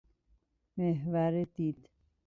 محور دید